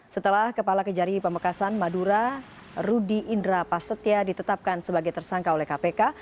setelah kepala kejari pamekasan madura rudy indra pasetya ditetapkan sebagai tersangka oleh kpk